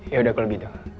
yaudah gua lebih dong